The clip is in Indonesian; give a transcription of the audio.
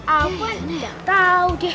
awan udah tau deh